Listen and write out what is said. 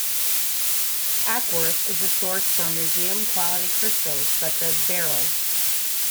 Acworth is a source for museum-quality crystals such as beryl.